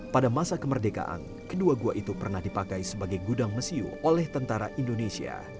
pada masa kemerdekaan kedua gua itu pernah dipakai sebagai gudang mesiu oleh tentara indonesia